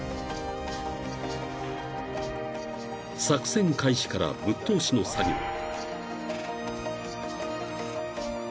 ［作戦開始からぶっ通しの作業］